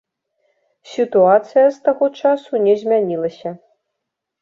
Сітуацыя з таго часу не змянілася.